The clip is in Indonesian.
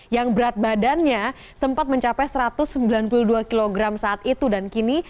yang berat badannya sempat mencapai satu ratus sembilan puluh dua kg saat itu dan kini